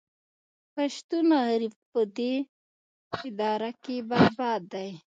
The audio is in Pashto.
پښتون غریب په دې اداره کې برباد دی